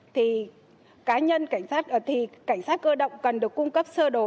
thì cảnh sát cơ động cần được cung cấp sơ đồ